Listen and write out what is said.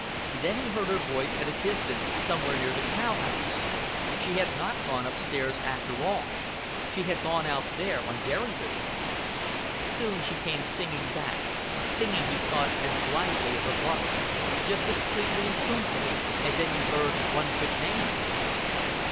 Then he heard her voice at a distance somewhere near the cowhouse. She had not gone up stairs after all; she had gone out there on dairy business. Soon she came singing back singing, he thought, as blithely as a lark; just as sweetly and tunefully as any bird one could name.